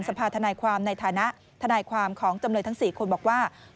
สภาธนายความในฐานะทนายความของจำเลยทั้ง๔คนบอกว่า